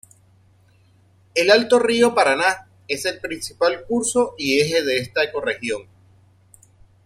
El Alto río Paraná es el principal curso y eje de esta ecorregión.